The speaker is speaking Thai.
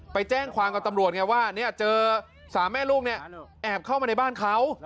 ไปแจ้งความกับตำรวจไงว่าเจอสามแม่ลูกเนี่ยแอบเข้ามาในบ้านเขา